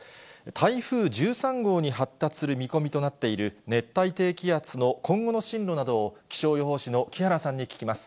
台風１３号に発達する見込みとなっている熱帯低気圧の今後の進路などを、気象予報士の木原さんに聞きます。